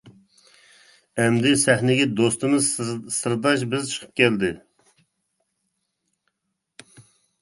ئەمدى سەھنىگە دوستىمىز سىرداش بىز چىقىپ كەلدى.